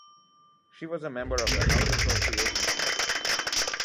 She was a member of the House Appropriations Committee.